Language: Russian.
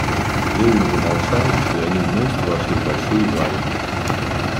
Левин замолчал, и они вместе вошли в большую залу.